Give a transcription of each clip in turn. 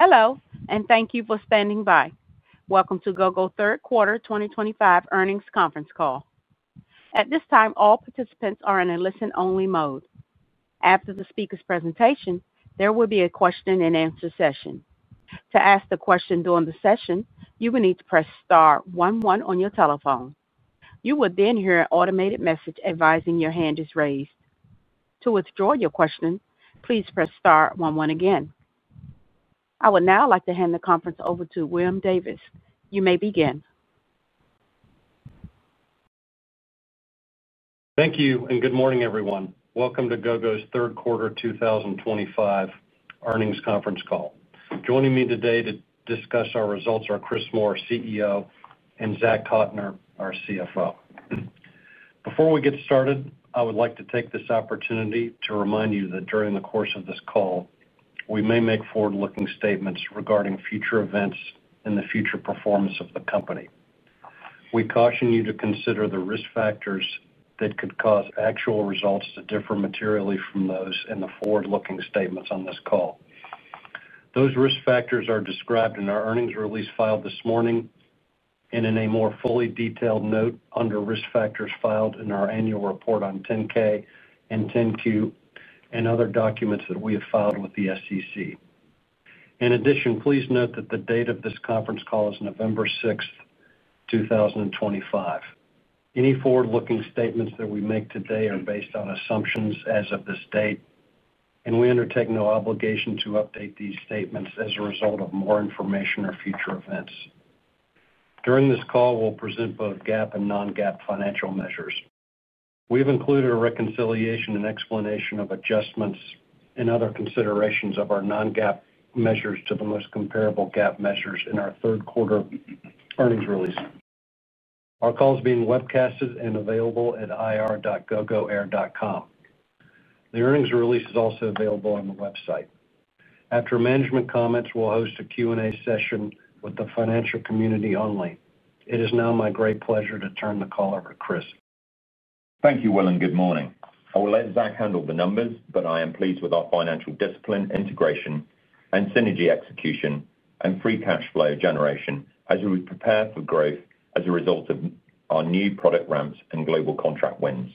Hello, and thank you for standing by. Welcome to Gogo Third Quarter 2025 Earnings Conference Call. At this time, all participants are in a listen-only mode. After the speakers' presentation, there will be a question-and-answer session. To ask a question during the session, you will need to press Star 11 on your telephone. You will then hear an automated message advising your hand is raised. To withdraw your question, please press Star 11 again. I would now like to hand the conference over to William Davis. You may begin. Thank you, and good morning, everyone. Welcome to Gogo's third quarter 2025 earnings conference call. Joining me today to discuss our results are Chris Moore, CEO, and Zach Cotner, our CFO. Before we get started, I would like to take this opportunity to remind you that during the course of this call, we may make forward-looking statements regarding future events and the future performance of the company. We caution you to consider the risk factors that could cause actual results to differ materially from those in the forward-looking statements on this call. Those risk factors are described in our earnings release filed this morning and in a more fully detailed note under risk factors filed in our annual report on 10-K and 10-Q and other documents that we have filed with the SEC. In addition, please note that the date of this conference call is November 6th, 2025. Any forward-looking statements that we make today are based on assumptions as of this date, and we undertake no obligation to update these statements as a result of more information or future events. During this call, we'll present both GAAP and non-GAAP financial measures. We have included a reconciliation and explanation of adjustments and other considerations of our non-GAAP measures to the most comparable GAAP measures in our third quarter earnings release. Our call is being webcast and available at irr.gogoair.com. The earnings release is also available on the website. After management comments, we'll host a Q&A session with the financial community only. It is now my great pleasure to turn the call over to Chris. Thank you, Will, and good morning. I will let Zach handle the numbers, but I am pleased with our financial discipline, integration, and synergy execution, and free cash flow generation as we prepare for growth as a result of our new product ramps and global contract wins.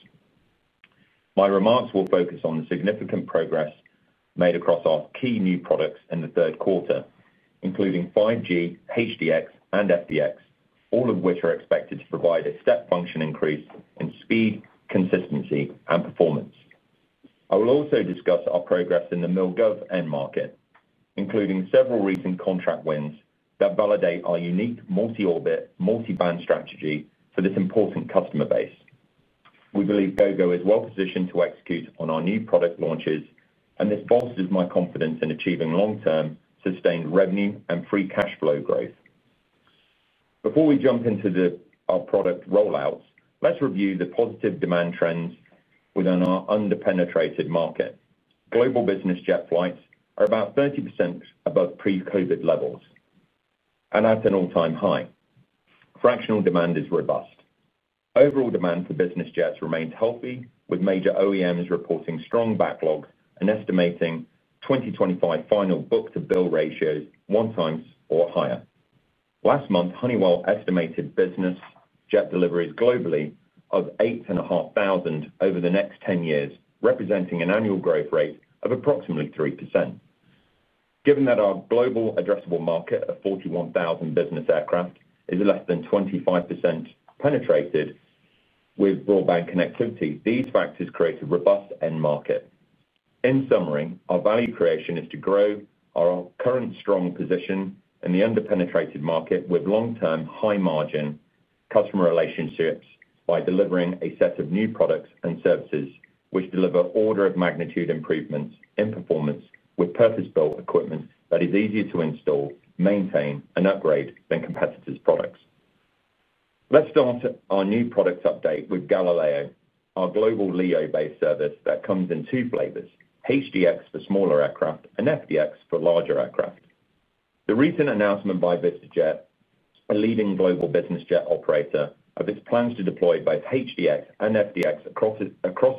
My remarks will focus on the significant progress made across our key new products in the third quarter, including 5G, HDX, and FDX, all of which are expected to provide a step function increase in speed, consistency, and performance. I will also discuss our progress in the MilGov end market, including several recent contract wins that validate our unique multi-orbit, multi-band strategy for this important customer base. We believe Gogo is well positioned to execute on our new product launches, and this bolsters my confidence in achieving long-term sustained revenue and free cash flow growth. Before we jump into our product rollouts, let's review the positive demand trends within our under-penetrated market. Global business jet flights are about 30% above pre-COVID levels and at an all-time high. Fractional demand is robust. Overall demand for business jets remains healthy, with major OEMs reporting strong backlog and estimating 2025 final book-to-bill ratios one times or higher. Last month, Honeywell estimated business jet deliveries globally of 8,500 over the next 10 years, representing an annual growth rate of approximately 3%. Given that our global addressable market of 41,000 business aircraft is less than 25% penetrated with broadband connectivity, these factors create a robust end market. In summary, our value creation is to grow our current strong position in the under-penetrated market with long-term high-margin customer relationships by delivering a set of new products and services which deliver order-of-magnitude improvements in performance with purpose-built equipment that is easier to install, maintain, and upgrade than competitors' products. Let's start our new product update with Galileo, our global LEO-based service that comes in two flavors. HDX for smaller aircraft and FDX for larger aircraft. The recent announcement by VistaJet, a leading global business jet operator, of its plans to deploy both HDX and FDX across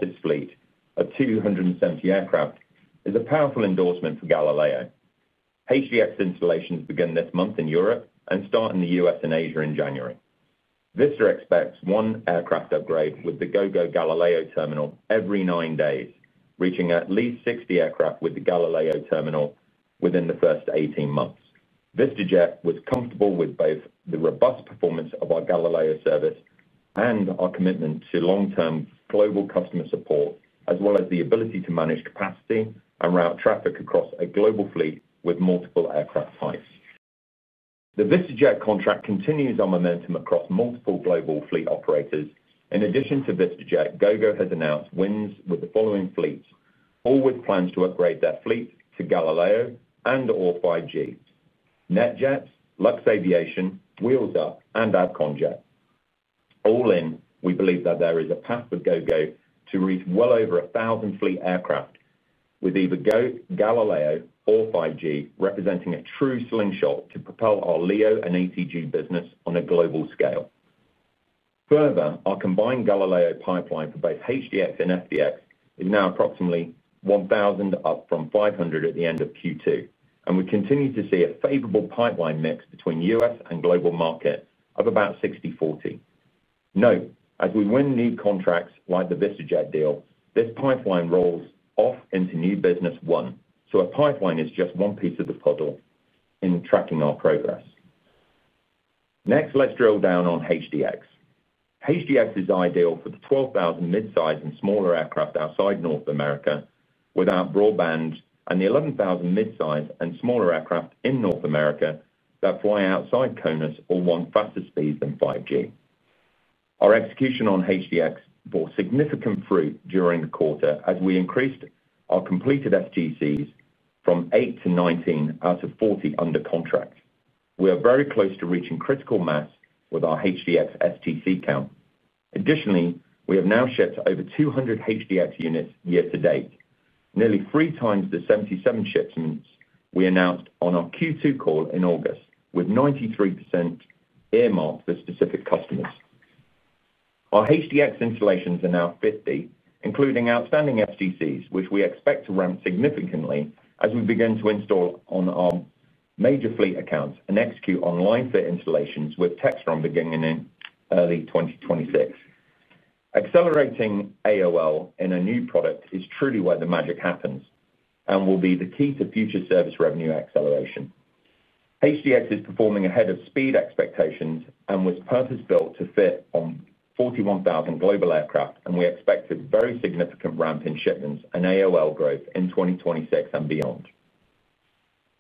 its fleet of 270 aircraft is a powerful endorsement for Galileo. HDX installations begin this month in Europe and start in the U.S. and Asia in January. Vista expects one aircraft upgrade with the Gogo Galileo terminal every nine days, reaching at least 60 aircraft with the Galileo terminal within the first 18 months. VistaJet was comfortable with both the robust performance of our Galileo service and our commitment to long-term global customer support, as well as the ability to manage capacity and route traffic across a global fleet with multiple aircraft types. The VistaJet contract continues our momentum across multiple global fleet operators. In addition to VistaJet, Gogo has announced wins with the following fleets, all with plans to upgrade their fleet to Galileo and/or 5G. NetJets, Luxaviation, Wheels Up, and Avcon Jet. All in, we believe that there is a path for Gogo to reach well over 1,000 fleet aircraft, with either Gogo Galileo, or 5G representing a true slingshot to propel our LEO and ATG business on a global scale. Further, our combined Galileo pipeline for both HDX and FDX is now approximately 1,000, up from 500 at the end of Q2, and we continue to see a favorable pipeline mix between U.S. and global market of about 60/40. Note, as we win new contracts like the VistaJet deal, this pipeline rolls off into new business one, so a pipeline is just one piece of the puzzle in tracking our progress. Next, let's drill down on HDX. HDX is ideal for the 12,000 mid-size and smaller aircraft outside North America without broadband and the 11,000 mid-size and smaller aircraft in North America that fly outside CONUS or want faster speeds than 5G. Our execution on HDX bore significant fruit during the quarter as we increased our completed STCs from 8 to 19 out of 40 under contract. We are very close to reaching critical mass with our HDX STC count. Additionally, we have now shipped over 200 HDX units year to date, nearly three times the 77 shipments we announced on our Q2 call in August, with 93% earmarked for specific customers. Our HDX installations are now 50, including outstanding STCs, which we expect to ramp significantly as we begin to install on our major fleet accounts and execute online fleet installations with TechStrong beginning in early 2026. Accelerating AOL in a new product is truly where the magic happens and will be the key to future service revenue acceleration. HDX is performing ahead of speed expectations and was purpose-built to fit on 41,000 global aircraft, and we expect a very significant ramp in shipments and AOL growth in 2026 and beyond.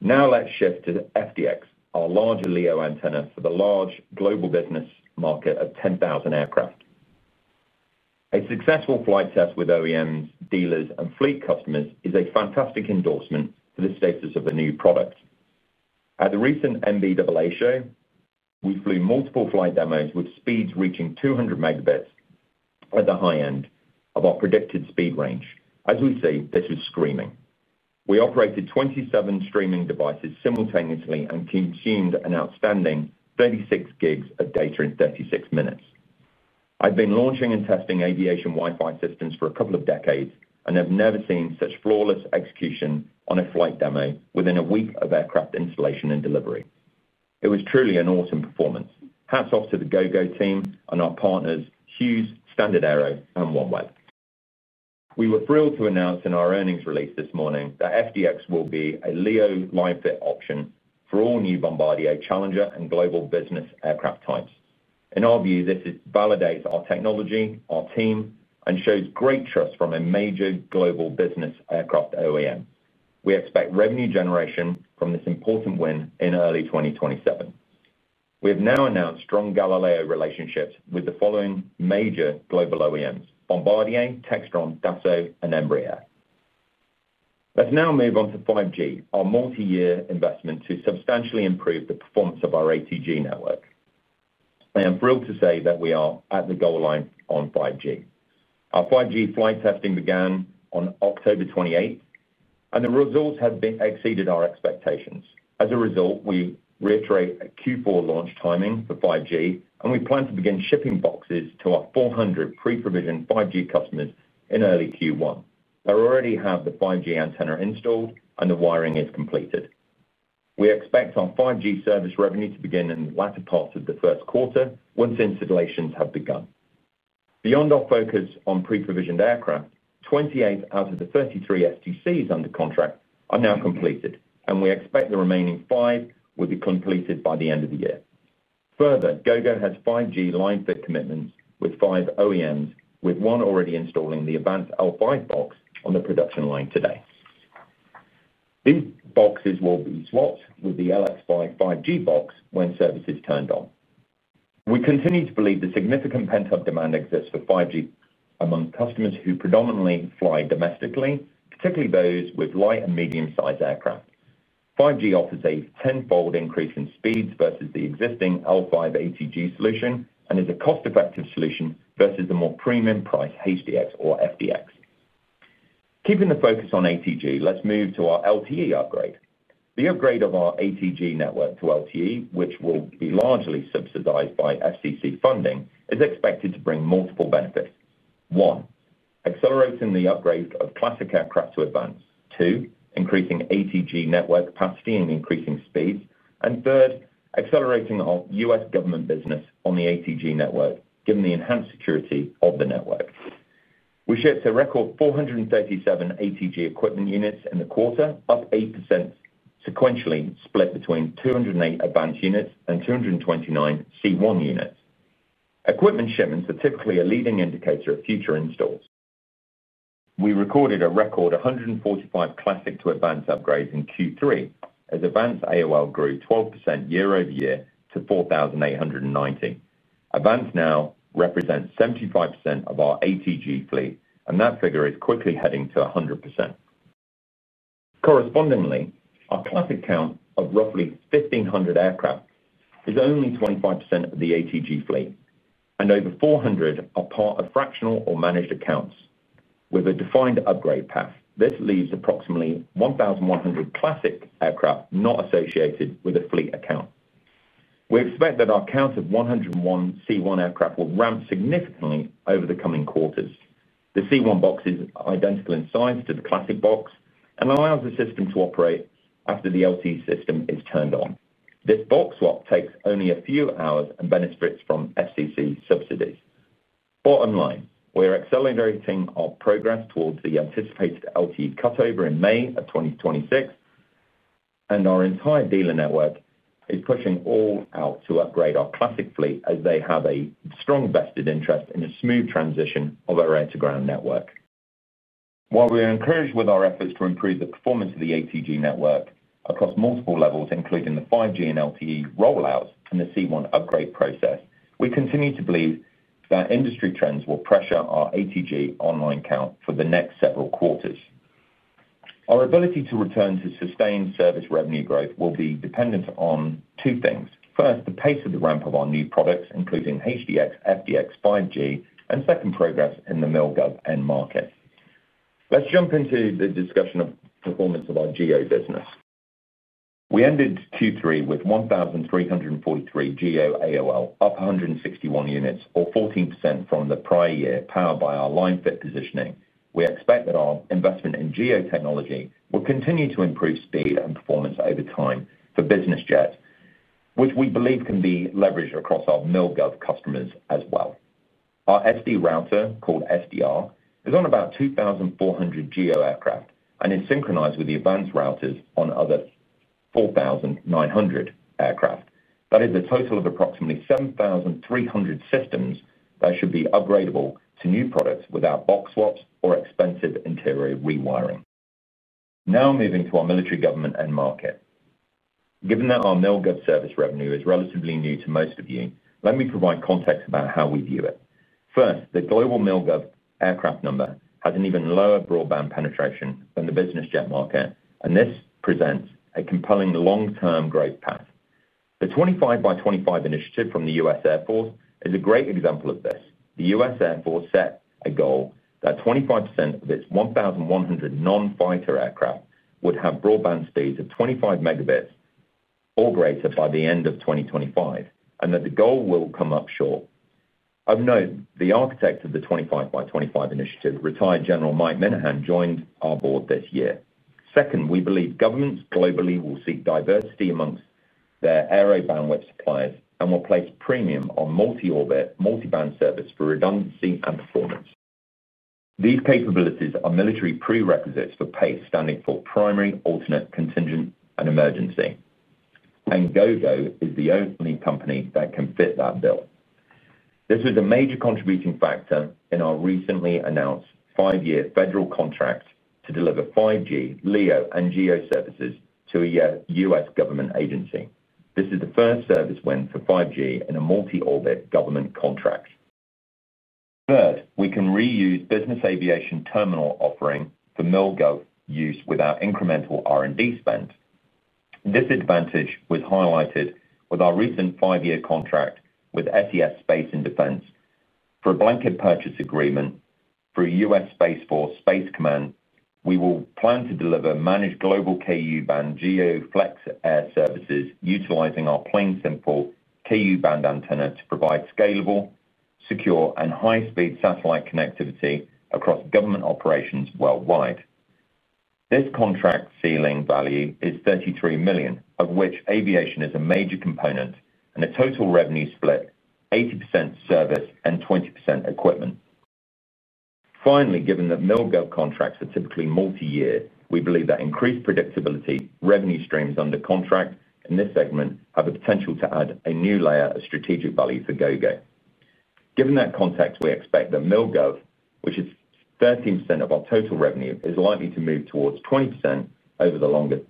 Now let's shift to FDX, our larger LEO antenna for the large global business market of 10,000 aircraft. A successful flight test with OEMs, dealers, and fleet customers is a fantastic endorsement for the status of the new product. At the recent MBA show, we flew multiple flight demos with speeds reaching 200 megabits at the high end of our predicted speed range. As we see, this was screaming. We operated 27 streaming devices simultaneously and consumed an outstanding 36 gigs of data in 36 minutes. I've been launching and testing aviation Wi-Fi systems for a couple of decades and have never seen such flawless execution on a flight demo within a week of aircraft installation and delivery. It was truly an awesome performance. Hats off to the Gogo team and our partners, Hughes, StandardAero, and OneWeb. We were thrilled to announce in our earnings release this morning that FDX will be a LEO line fit option for all new Bombardier Challenger and Global business aircraft types. In our view, this validates our technology, our team, and shows great trust from a major global business aircraft OEM. We expect revenue generation from this important win in early 2027. We have now announced strong Galileo relationships with the following major global OEMs: Bombardier, Dassault Aviation, Dassault, and Embraer. Let's now move on to 5G, our multi-year investment to substantially improve the performance of our ATG network. I am thrilled to say that we are at the goal line on 5G. Our 5G flight testing began on October 28th, and the results have exceeded our expectations. As a result, we reiterate Q4 launch timing for 5G, and we plan to begin shipping boxes to our 400 pre-provisioned 5G customers in early Q1. They already have the 5G antenna installed, and the wiring is completed. We expect our 5G service revenue to begin in the latter part of the first quarter once installations have begun. Beyond our focus on pre-provisioned aircraft, 28 out of the 33 STCs under contract are now completed, and we expect the remaining five will be completed by the end of the year. Further, Gogo has 5G line fit commitments with five OEMs, with one already installing the AVANCE L5 box on the production line today. These boxes will be swapped with the LX5 5G box when service is turned on. We continue to believe that significant pent-up demand exists for 5G among customers who predominantly fly domestically, particularly those with light and medium-sized aircraft. 5G offers a tenfold increase in speeds versus the existing L5 ATG solution and is a cost-effective solution versus the more premium-priced HDX or FDX. Keeping the focus on ATG, let's move to our LTE upgrade. The upgrade of our ATG network to LTE, which will be largely subsidized by FCC funding, is expected to bring multiple benefits. One, accelerating the upgrade of classic aircraft to AVANCE. Two, increasing ATG network capacity and increasing speeds. Third, accelerating our U.S. government business on the ATG network, given the enhanced security of the network. We shipped a record 437 ATG equipment units in the quarter, up 8% sequentially, split between 208 AVANCE units and 229 C1 units. Equipment shipments are typically a leading indicator of future installs. We recorded a record 145 classic to AVANCE upgrades in Q3, as AVANCE AOL grew 12% year over year to 4,890. AVANCE now represents 75% of our ATG fleet, and that figure is quickly heading to 100%. Correspondingly, our classic count of roughly 1,500 aircraft is only 25% of the ATG fleet, and over 400 are part of fractional or managed accounts with a defined upgrade path. This leaves approximately 1,100 classic aircraft not associated with a fleet account. We expect that our count of 101 C1 aircraft will ramp significantly over the coming quarters. The C1 box is identical in size to the classic box and allows the system to operate after the LTE system is turned on. This box swap takes only a few hours and benefits from FCC subsidies. Bottom line, we are accelerating our progress towards the anticipated LTE cutover in May of 2026. Our entire dealer network is pushing all out to upgrade our classic fleet as they have a strong vested interest in a smooth transition of our air-to-ground network. While we are encouraged with our efforts to improve the performance of the ATG network across multiple levels, including the 5G and LTE rollouts and the C1 upgrade process, we continue to believe that industry trends will pressure our ATG online count for the next several quarters. Our ability to return to sustained service revenue growth will be dependent on two things. First, the pace of the ramp of our new products, including HDX, FDX, 5G, and second, progress in the MilGov end market. Let's jump into the discussion of performance of our GO business. We ended Q3 with 1,343 GO AOL, up 161 units, or 14% from the prior year, powered by our line fit positioning. We expect that our investment in GO technology will continue to improve speed and performance over time for business jets, which we believe can be leveraged across our MilGov customers as well. Our SD router, called SDR, is on about 2,400 GO aircraft and is synchronized with the AVANCE routers on other 4,900 aircraft. That is a total of approximately 7,300 systems that should be upgradable to new products without box swaps or expensive interior rewiring. Now moving to our military government end market. Given that our MilGov service revenue is relatively new to most of you, let me provide context about how we view it. First, the global MilGov aircraft number has an even lower broadband penetration than the business jet market, and this presents a compelling long-term growth path. The 25x25 Initiative from the U.S. Air Force is a great example of this. The U.S. Air Force set a goal that 25% of its 1,100 non-fighter aircraft would have broadband speeds of 25 megabits or greater by the end of 2025, and that the goal will come up short. Of note, the architect of the 25x25 Initiative, retired General Mike Minihan, joined our board this year. Second, we believe governments globally will seek diversity amongst their aero bandwidth suppliers and will place premium on multi-orbit, multi-band service for redundancy and performance. These capabilities are military prerequisites for PACE, standing for Primary, Alternate, Contingent, and Emergency. Gogo is the only company that can fit that bill. This was a major contributing factor in our recently announced five-year federal contract to deliver 5G, LEO, and GO services to a U.S. government agency. This is the first service win for 5G in a multi-orbit government contract. Third, we can reuse business aviation terminal offering for MilGov use without incremental R&D spend. This advantage was highlighted with our recent five-year contract with SES Space & Defense. For a blanket purchase agreement for U.S. Space Force Space Command, we will plan to deliver managed global Ku-band GO Flex Air services utilizing our plain simple Ku-band antenna to provide scalable, secure, and high-speed satellite connectivity across government operations worldwide. This contract ceiling value is $33 million, of which aviation is a major component, and the total revenue split is 80% service and 20% equipment. Finally, given that MilGov contracts are typically multi-year, we believe that increased predictability, revenue streams under contract in this segment have the potential to add a new layer of strategic value for Gogo. Given that context, we expect that MilGov, which is 13% of our total revenue, is likely to move towards 20% over the longer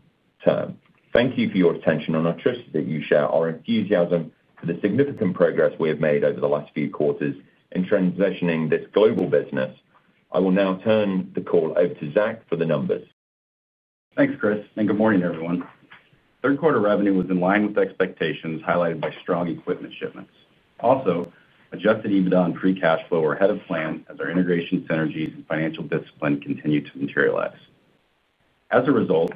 term. Thank you for your attention and our trust that you share our enthusiasm for the significant progress we have made over the last few quarters in transitioning this global business. I will now turn the call over to Zach for the numbers. Thanks, Chris. Good morning, everyone. Third quarter revenue was in line with expectations highlighted by strong equipment shipments. Also, adjusted EBITDA and free cash flow were ahead of plan as our integration synergies and financial discipline continued to materialize. As a result,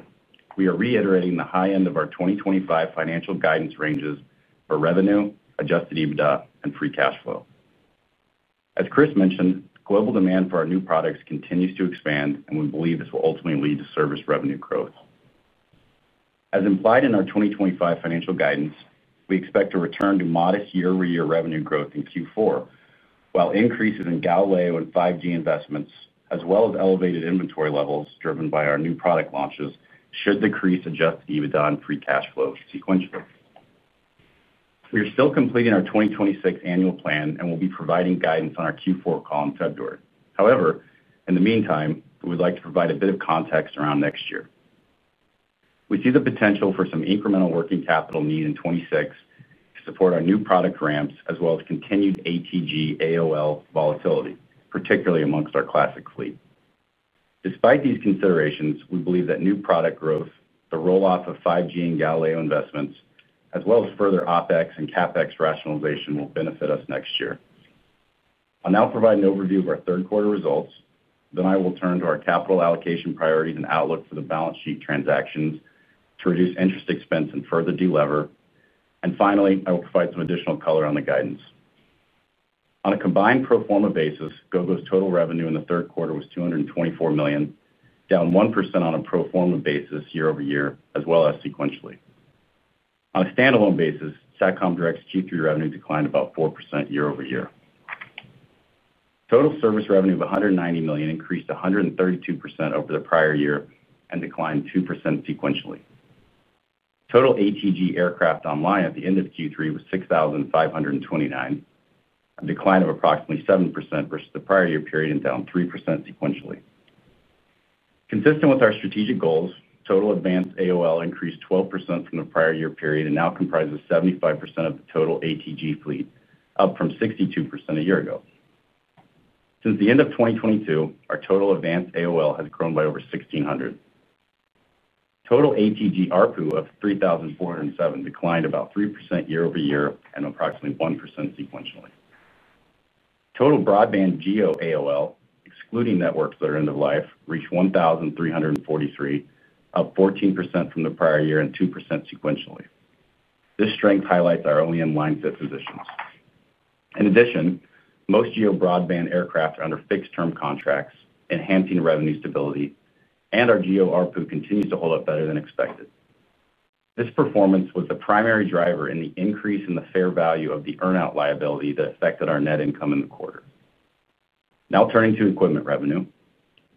we are reiterating the high end of our 2025 financial guidance ranges for revenue, adjusted EBITDA, and free cash flow. As Chris mentioned, global demand for our new products continues to expand, and we believe this will ultimately lead to service revenue growth. As implied in our 2025 financial guidance, we expect a return to modest year-over-year revenue growth in Q4, while increases in Galileo and 5G investments, as well as elevated inventory levels driven by our new product launches, should decrease adjusted EBITDA and free cash flow sequentially. We are still completing our 2026 annual plan and will be providing guidance on our Q4 call in February. However, in the meantime, we would like to provide a bit of context around next year. We see the potential for some incremental working capital need in 2026 to support our new product ramps, as well as continued ATG AOL volatility, particularly amongst our classic fleet. Despite these considerations, we believe that new product growth, the rollout of 5G and Galileo investments, as well as further OEx and CapEx rationalization will benefit us next year. I'll now provide an overview of our third quarter results. I will turn to our capital allocation priorities and outlook for the balance sheet transactions to reduce interest expense and further deliver. Finally, I will provide some additional color on the guidance. On a combined pro forma basis, Gogo's total revenue in the third quarter was $224 million, down 1% on a pro forma basis year-over-year, as well as sequentially. On a standalone basis, Satcom Direct's Q3 revenue declined about 4% year-over-year. Total service revenue of $190 million increased 132% over the prior year and declined 2% sequentially. Total ATG aircraft online at the end of Q3 was 6,529, a decline of approximately 7% versus the prior year period and down 3% sequentially. Consistent with our strategic goals, total AVANCE AOL increased 12% from the prior year period and now comprises 75% of the total ATG fleet, up from 62% a year ago. Since the end of 2022, our total AVANCE AOL has grown by over 1,600. Total ATG ARPU of $3,407 declined about 3% year-over-year and approximately 1% sequentially. Total broadband GO AOL, excluding networks that are end-of-life, reached 1,343, up 14% from the prior year and 2% sequentially. This strength highlights our OEM line fit positions. In addition, most GO broadband aircraft are under fixed-term contracts, enhancing revenue stability, and our GO ARPU continues to hold up better than expected. This performance was the primary driver in the increase in the fair value of the earn-out liability that affected our net income in the quarter. Now turning to equipment revenue,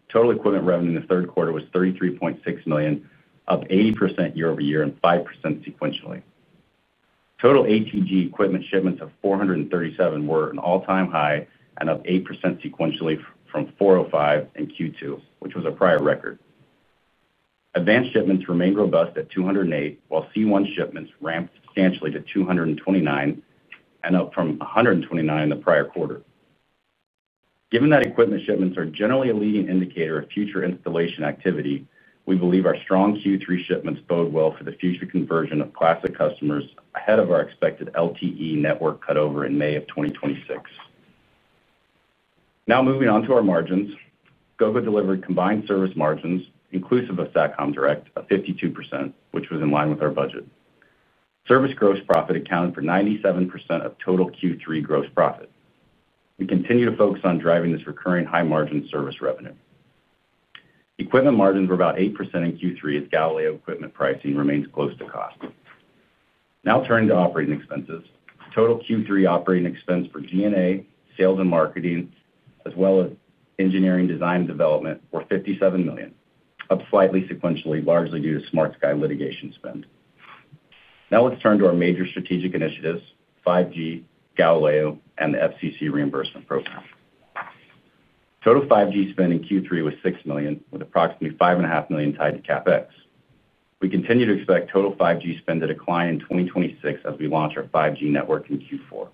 total equipment revenue in the third quarter was $33.6 million, up 80% year-over-year and 5% sequentially. Total ATG equipment shipments of 437 were an all-time high and up 8% sequentially from 405 in Q2, which was a prior record. AVANCE shipments remained robust at 208, while C1 shipments ramped substantially to 229 and up from 129 in the prior quarter. Given that equipment shipments are generally a leading indicator of future installation activity, we believe our strong Q3 shipments bode well for the future conversion of classic customers ahead of our expected LTE network cutover in May of 2026. Now moving on to our margins, Gogo delivered combined service margins, inclusive of Satcom Direct, of 52%, which was in line with our budget. Service gross profit accounted for 97% of total Q3 gross profit. We continue to focus on driving this recurring high-margin service revenue. Equipment margins were about 8% in Q3 as Galileo equipment pricing remains close to cost. Now turning to operating expenses, total Q3 operating expense for G&A, sales and marketing, as well as engineering design and development, were $57 million, up slightly sequentially, largely due to SmartSky litigation spend. Now let's turn to our major strategic initiatives, 5G, Galileo, and the FCC reimbursement program. Total 5G spend in Q3 was $6 million, with approximately $5.5 million tied to CapEx. We continue to expect total 5G spend to decline in 2026 as we launch our 5G network in Q4.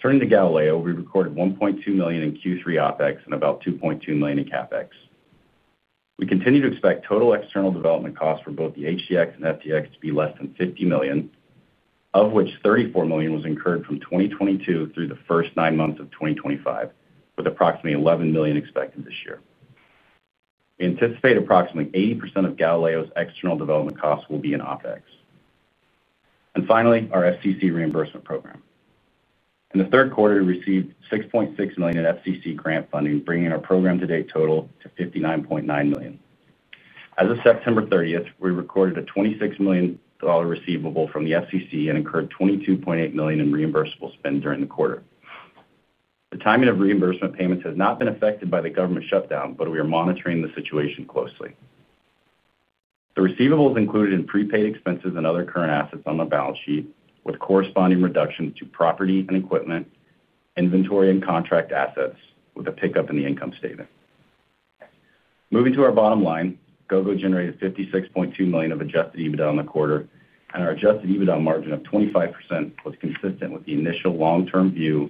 Turning to Galileo, we recorded $1.2 million in Q3 OpEx and about $2.2 million in CapEx. We continue to expect total external development costs for both the HDX and FDX to be less than $50 million, of which $34 million was incurred from 2022 through the first nine months of 2025, with approximately $11 million expected this year. We anticipate approximately 80% of Galileo's external development costs will be in OpEx. Finally, our FCC reimbursement program. In the third quarter, we received $6.6 million in FCC grant funding, bringing our program-to-date total to $59.9 million. As of September 30, we recorded a $26 million receivable from the FCC and incurred $22.8 million in reimbursable spend during the quarter. The timing of reimbursement payments has not been affected by the government shutdown, but we are monitoring the situation closely. The receivable is included in prepaid expenses and other current assets on the balance sheet, with corresponding reductions to property and equipment, inventory, and contract assets, with a pickup in the income statement. Moving to our bottom line, Gogo generated $56.2 million of adjusted EBITDA in the quarter, and our adjusted EBITDA margin of 25% was consistent with the initial long-term view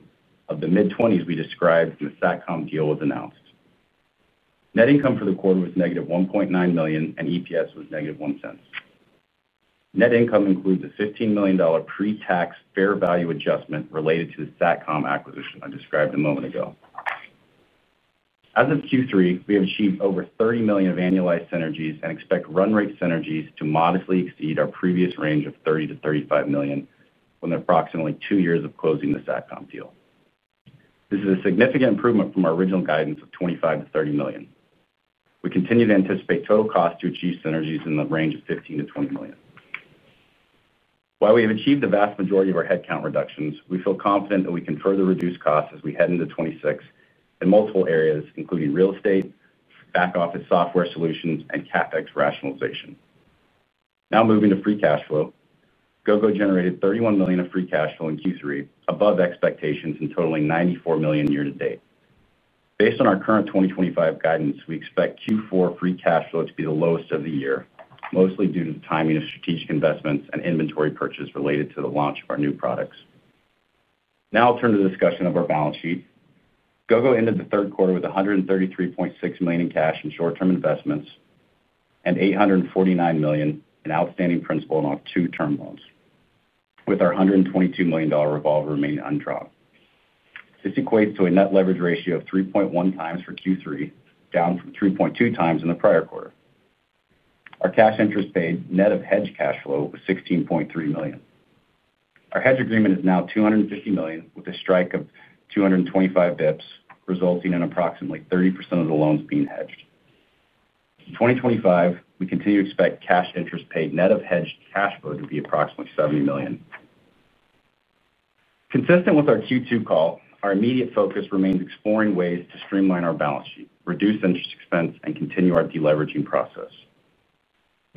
of the mid-20s we described when the Satcom deal was announced. Net income for the quarter was negative $1.9 million, and EPS was negative $0.01. Net income includes a $15 million pre-tax fair value adjustment related to the Satcom acquisition I described a moment ago. As of Q3, we have achieved over $30 million of annualized synergies and expect run-rate synergies to modestly exceed our previous range of $30 million-$35 million when approximately two years of closing the Satcom deal. This is a significant improvement from our original guidance of $25 million-$30 million. We continue to anticipate total cost to achieve synergies in the range of $15 million-$20 million. While we have achieved the vast majority of our headcount reductions, we feel confident that we can further reduce costs as we head into 2026 in multiple areas, including real estate, back-office software solutions, and CapEx rationalization. Now moving to free cash flow, Gogo generated $31 million of free cash flow in Q3, above expectations and totaling $94 million year-to-date. Based on our current 2025 guidance, we expect Q4 free cash flow to be the lowest of the year, mostly due to the timing of strategic investments and inventory purchase related to the launch of our new products. Now I'll turn to the discussion of our balance sheet. Gogo ended the third quarter with $133.6 million in cash and short-term investments and $849 million in outstanding principal and off-to-term loans, with our $122 million revolver remaining undrawn. This equates to a net leverage ratio of 3.1x for Q3, down from 3.2x in the prior quarter. Our cash interest paid net of hedge cash flow was $16.3 million. Our hedge agreement is now $250 million, with a strike of 225 bps, resulting in approximately 30% of the loans being hedged. In 2025, we continue to expect cash interest paid net of hedged cash flow to be approximately $70 million. Consistent with our Q2 call, our immediate focus remains exploring ways to streamline our balance sheet, reduce interest expense, and continue our deleveraging process.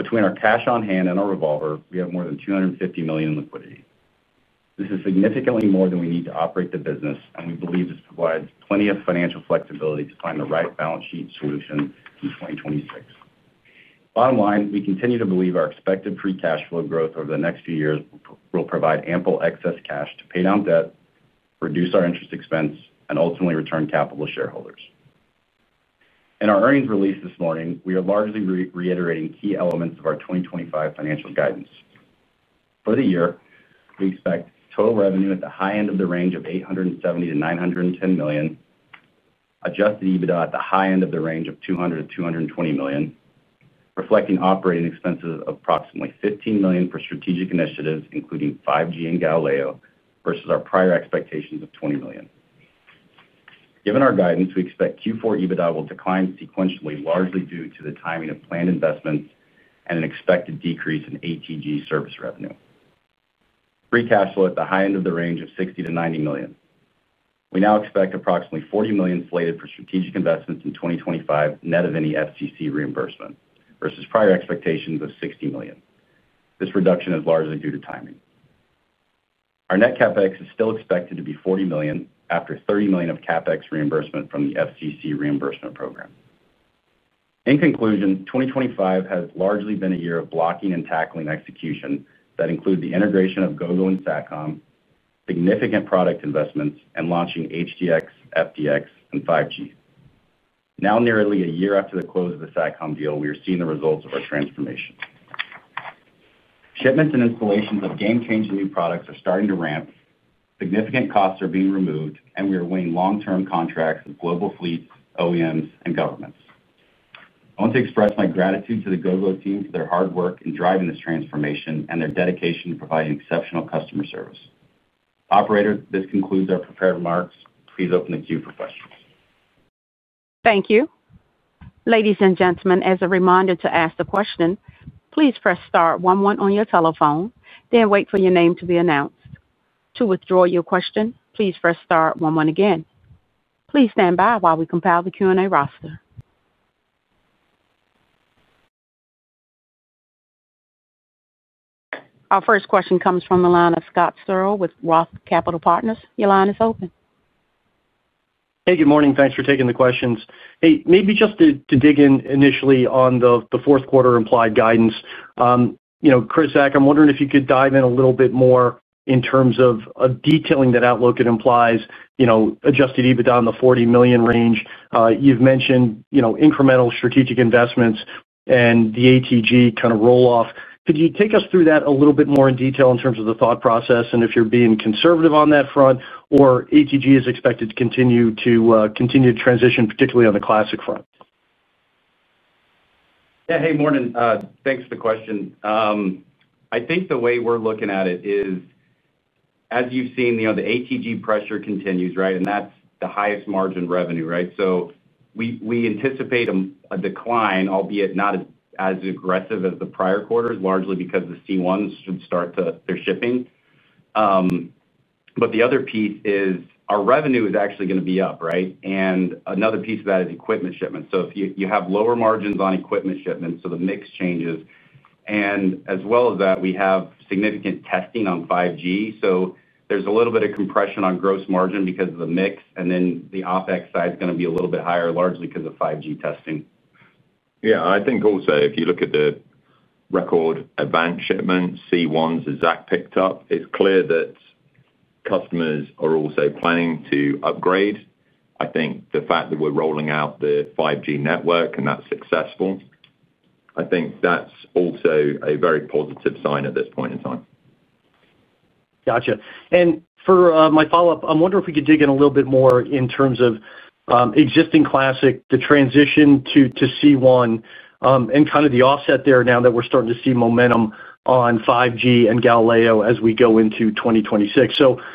Between our cash on hand and our revolver, we have more than $250 million in liquidity. This is significantly more than we need to operate the business, and we believe this provides plenty of financial flexibility to find the right balance sheet solution in 2026. Bottom line, we continue to believe our expected free cash flow growth over the next few years will provide ample excess cash to pay down debt, reduce our interest expense, and ultimately return capital to shareholders. In our earnings release this morning, we are largely reiterating key elements of our 2025 financial guidance. For the year, we expect total revenue at the high end of the range of $870 million-$910 million, adjusted EBITDA at the high end of the range of $200 million-$220 million, reflecting operating expenses of approximately $15 million for strategic initiatives, including 5G and Galileo, versus our prior expectations of $20 million. Given our guidance, we expect Q4 EBITDA will decline sequentially, largely due to the timing of planned investments and an expected decrease in ATG service revenue. Free cash flow at the high end of the range of $60 million-$90 million. We now expect approximately $40 million slated for strategic investments in 2025 net of any FCC reimbursement, versus prior expectations of $60 million. This reduction is largely due to timing. Our net CapEx is still expected to be $40 million after $30 million of CapEx reimbursement from the FCC reimbursement program. In conclusion, 2025 has largely been a year of blocking and tackling execution that includes the integration of Gogo and Satcom, significant product investments, and launching HDX, FDX, and 5G. Now nearly a year after the close of the Satcom deal, we are seeing the results of our transformation. Shipments and installations of game-changing new products are starting to ramp. Significant costs are being removed, and we are winning long-term contracts with global fleets, OEMs, and governments. I want to express my gratitude to the Gogo team for their hard work in driving this transformation and their dedication to providing exceptional customer service. Operator, this concludes our prepared remarks. Please open the queue for questions. Thank you. Ladies and gentlemen, as a reminder to ask the question, please press star 11 on your telephone, then wait for your name to be announced. To withdraw your question, please press star 11 again. Please stand by while we compile the Q&A roster. Our first question comes from line of Scott Searle with Roth Capital Partners. Your line is open. Hey, good morning. Thanks for taking the questions. Hey, maybe just to dig in initially on the fourth quarter implied guidance. Chris, Zach, I'm wondering if you could dive in a little bit more in terms of detailing that outlook it implies, adjusted EBITDA in the $40 million range. You've mentioned incremental strategic investments and the ATG kind of rolloff. Could you take us through that a little bit more in detail in terms of the thought process and if you're being conservative on that front, or ATG is expected to continue to transition, particularly on the classic front? Yeah, hey, morning, thanks for the question. I think the way we're looking at it is, as you've seen, the ATG pressure continues, right? And that's the highest margin revenue, right? We anticipate a decline, albeit not as aggressive as the prior quarters, largely because the C1s should start their shipping. The other piece is our revenue is actually going to be up, right? Another piece of that is equipment shipments. You have lower margins on equipment shipments, so the mix changes. As well as that, we have significant testing on 5G. There's a little bit of compression on gross margin because of the mix, and then the OpEx side is going to be a little bit higher, largely because of 5G testing. Yeah, I think also, if you look at the record AVANCE shipment, C1s that Zach picked up, it's clear that customers are also planning to upgrade. I think the fact that we're rolling out the 5G network and that's successful, I think that's also a very positive sign at this point in time. Got it. For my follow-up, I'm wondering if we could dig in a little bit more in terms of existing Classic, the transition to C1, and kind of the offset there now that we're starting to see momentum on 5G and Galileo as we go into 2026. Could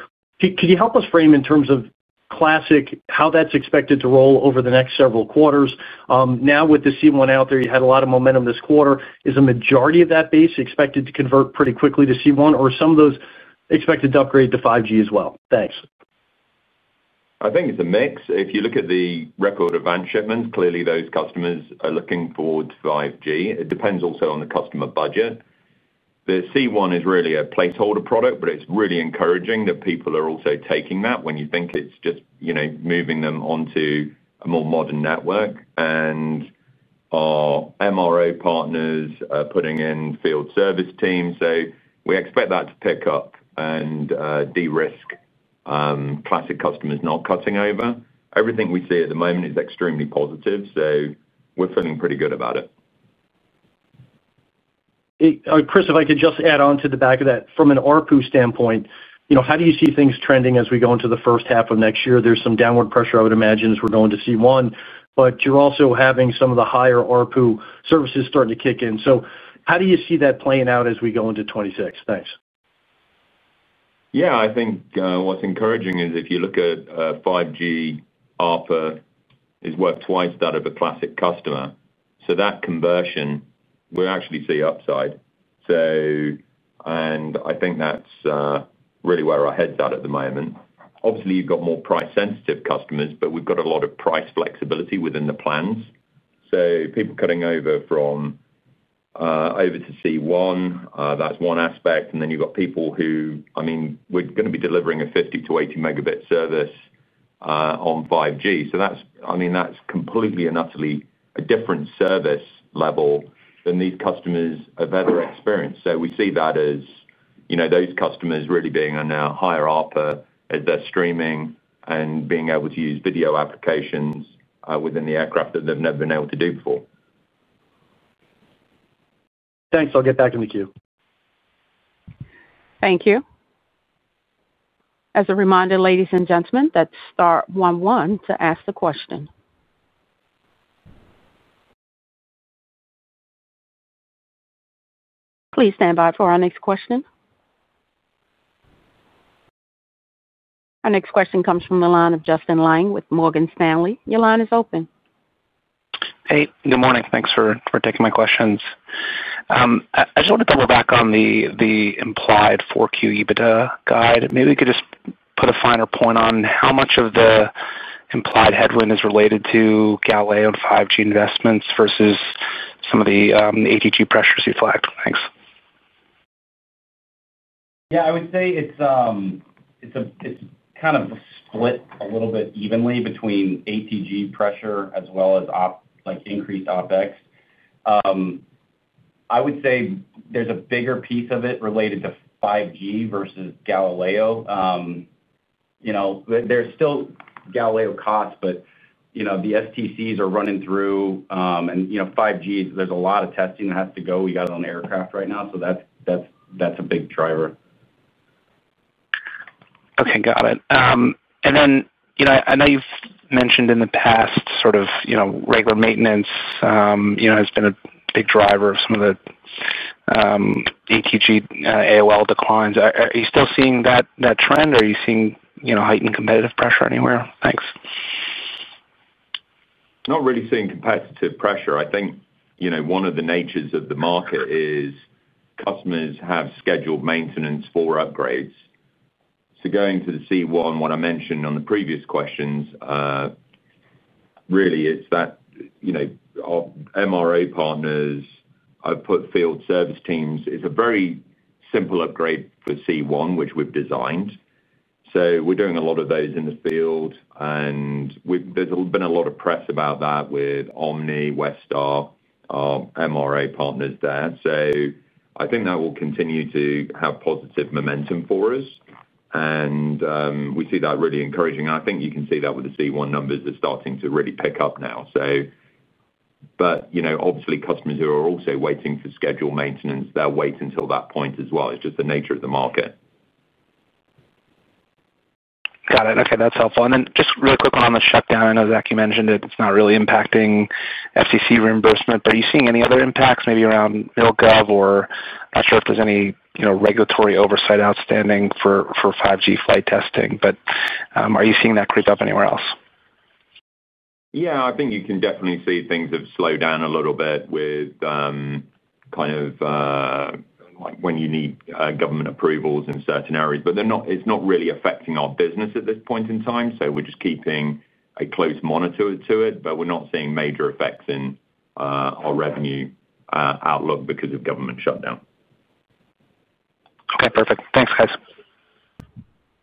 you help us frame in terms of Classic, how that's expected to roll over the next several quarters? Now, with the C1 out there, you had a lot of momentum this quarter. Is a majority of that base expected to convert pretty quickly to C1, or are some of those expected to upgrade to 5G as well? Thanks. I think it's a mix. If you look at the record AVANCE shipments, clearly those customers are looking forward to 5G. It depends also on the customer budget. The C1 is really a placeholder product, but it's really encouraging that people are also taking that when you think it's just moving them onto a more modern network. Our MRO partners are putting in field service teams. We expect that to pick up and de-risk Classic customers not cutting over. Everything we see at the moment is extremely positive, so we're feeling pretty good about it. Chris, if I could just add on to the back of that, from an ARPU standpoint, how do you see things trending as we go into the first half of next year? There's some downward pressure, I would imagine, as we're going to C1, but you're also having some of the higher ARPU services starting to kick in. How do you see that playing out as we go into 2026? Thanks. Yeah, I think what's encouraging is if you look at 5G, ARPU is worth twice that of a classic customer. That conversion, we actually see upside. I think that's really where our head's at at the moment. Obviously, you've got more price-sensitive customers, but we've got a lot of price flexibility within the plans. People cutting over from. Over to C1, that's one aspect. And then you've got people who, I mean, we're going to be delivering a 50-80 megabit service. On 5G. I mean, that's completely and utterly a different service level than these customers have ever experienced. We see that as those customers really being on a higher ARPU as they're streaming and being able to use video applications within the aircraft that they've never been able to do before. Thanks. I'll get back to the queue. Thank you. As a reminder, ladies and gentlemen, that's star 11 to ask the question. Please stand by for our next question. Our next question comes from line of Justin Lang with Morgan Stanley. Yolanda is open. Hey, good morning. Thanks for taking my questions. I just want to double back on the implied 4Q EBITDA guide. Maybe we could just put a finer point on how much of the implied headwind is related to Galileo and 5G investments versus some of the ATG pressures you flagged. Thanks. Yeah, I would say it's kind of split a little bit evenly between ATG pressure as well as increased OpEx. I would say there's a bigger piece of it related to 5G versus Galileo. There's still Galileo costs, but the STCs are running through. And 5G, there's a lot of testing that has to go. We got it on aircraft right now, so that's a big driver. Okay, got it. And then I know you've mentioned in the past sort of regular maintenance has been a big driver of some of the ATG AOL declines. Are you still seeing that trend, or are you seeing heightened competitive pressure anywhere? Thanks. Not really seeing competitive pressure. I think one of the natures of the market is customers have scheduled maintenance for upgrades. Going to the C1, what I mentioned on the previous questions really is that our MRO partners have put field service teams. It's a very simple upgrade for C1, which we've designed. We're doing a lot of those in the field, and there's been a lot of press about that with Omni, West Star, MRO partners there. I think that will continue to have positive momentum for us, and we see that really encouraging. I think you can see that with the C1 numbers that are starting to really pick up now. Obviously, customers who are also waiting for scheduled maintenance, they'll wait until that point as well. It's just the nature of the market. Got it. Okay, that's helpful. And then just really quick on the shutdown. I know, Zach, you mentioned it. It's not really impacting FCC reimbursement. Are you seeing any other impacts, maybe around MilGov or not sure if there's any regulatory oversight outstanding for 5G flight testing, but are you seeing that creep up anywhere else? Yeah, I think you can definitely see things have slowed down a little bit with, kind of, when you need government approvals in certain areas. But it's not really affecting our business at this point in time, so we're just keeping a close monitor to it, but we're not seeing major effects in our revenue outlook because of government shutdown. Okay, perfect. Thanks, guys.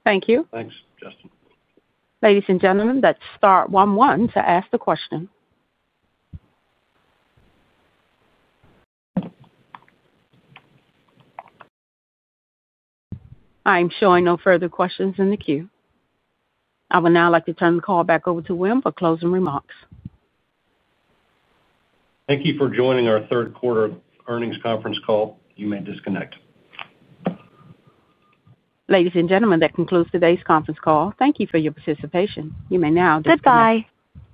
Thank you. Thanks, Justin. Ladies and gentlemen, that's star 11 to ask the question. I am showing no further questions in the queue. I would now like to turn the call back over to Will for closing remarks. Thank you for joining our third quarter earnings conference call. You may disconnect. Ladies and gentlemen, that concludes today's conference call. Thank you for your participation. You may now disconnect. Goodbye.